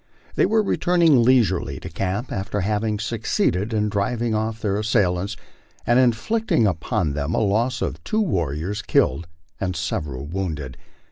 They were return ing leisurely to camp, after having succeeded in driving off their assailants and inflicting upon them a loss of two warriors killed and several wounded.